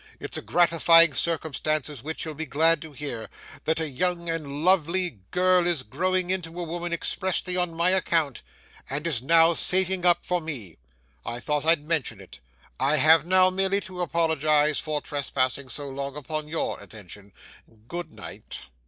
It's a gratifying circumstance which you'll be glad to hear, that a young and lovely girl is growing into a woman expressly on my account, and is now saving up for me. I thought I'd mention it. I have now merely to apologize for trespassing so long upon your attention. Good night.